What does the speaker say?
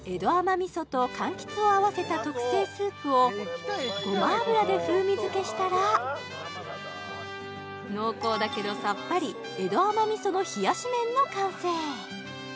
味噌と柑橘を合わせた特製スープをごま油で風味づけしたら濃厚だけどサッパリ江戸甘味噌の冷やし麺の完成